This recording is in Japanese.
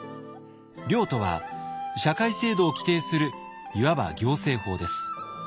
「令」とは社会制度を規定するいわば行政法です。